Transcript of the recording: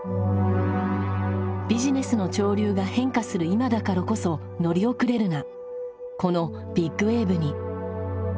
ビジネスの潮流が変化する今だからこそ乗り遅れるなこのビッグウエーブに。